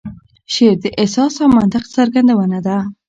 شعر د احساس او منطق څرګندونه ده.